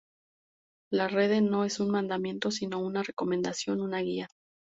La Rede no es un mandamiento sino una recomendación, una guía.